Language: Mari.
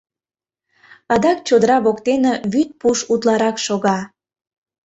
Адак чодыра воктене вӱд пуш утларак шога.